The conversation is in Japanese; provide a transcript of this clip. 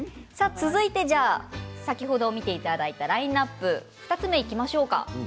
続いて、先ほど見ていただいたラインナップ２つ目にいきましょうか。